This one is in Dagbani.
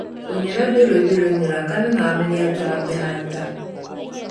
O nyɛla dolo dolo nira ka niŋ amiliya dɔɣi bihi ata.